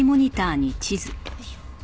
よいしょ。